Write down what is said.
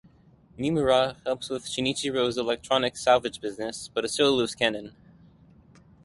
Nimura helps with Shinichiro's electronics salvage business, but is still a loose cannon.